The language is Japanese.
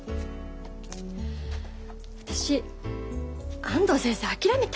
私安藤先生諦めた。